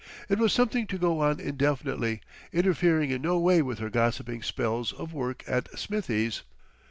It was something to go on indefinitely, interfering in no way with her gossiping spells of work at Smithie's.